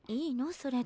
それで。